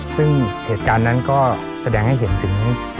ซึ่งเหตุการณ์นั้นก็แสดงให้เห็นถึง